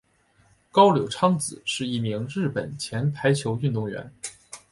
高柳昌子是一名日本前排球运动员。